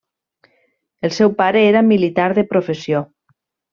El seu pare era militar de professió.